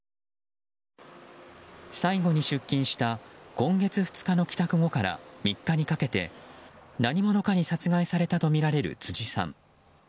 最後に出勤した今月２日の帰宅後から３日にかけて、何者かに殺害されたとみられる辻さん。